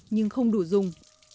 nhưng không đủ dùng